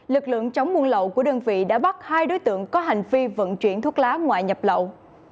lực lượng chống buôn lậu của đơn vị đã bắt hai đối tượng có hành vi vận chuyển thuốc lá ngoại nhập lậu